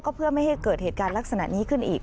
เพื่อไม่ให้เกิดเหตุการณ์ลักษณะนี้ขึ้นอีก